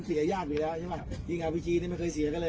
เครื่องยิงชัยเหยากสีง่ายดียิงอาวุธไม่เคยเสียเลย